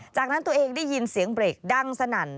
จากนั้นตัวเองได้ยินเสียงเบรกดังสนั่น